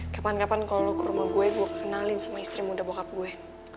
kapan kapan kalau lo ke rumah gue gue kenalin sama istri muda bokap gue